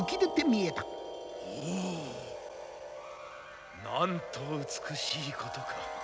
あなんと美しいことか。